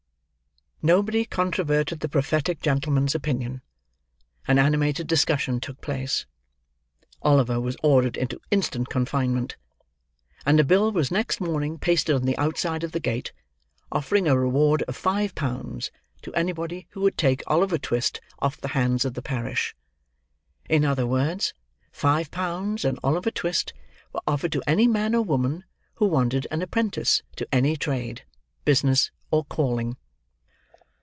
Nobody controverted the prophetic gentleman's opinion. An animated discussion took place. Oliver was ordered into instant confinement; and a bill was next morning pasted on the outside of the gate, offering a reward of five pounds to anybody who would take Oliver Twist off the hands of the parish. In other words, five pounds and Oliver Twist were offered to any man or woman who wanted an apprentice to any trade, business, or calling.